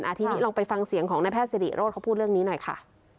ทีนี้ลองไปฟังเสียงของนายแพทย์สิริโรธเขาพูดเรื่องนี้หน่อยค่ะ